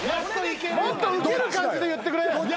もっとウケる感じで言ってくれ。